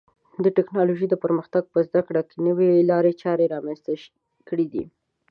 د ټکنالوژۍ پرمختګ په زده کړو کې نوې لارې چارې رامنځته کړې دي.